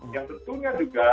yang tentunya juga